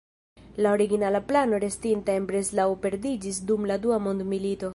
La originala plano restinta en Breslau perdiĝis dum la Dua Mondmilito.